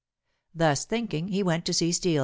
Thus thinking he went to see Steel.